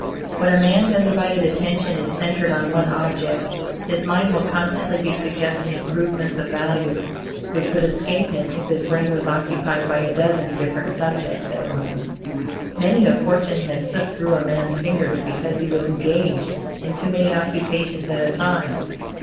When a man's undivided attention is centered on one object, his mind will constantly be suggesting improvements of value, which would escape him if his brain was occupied by a dozen different subjects at once. Many a fortune has slipped through a man's fingers because he was engaged in too many occupations at a time.